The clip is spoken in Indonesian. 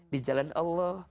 di jalan allah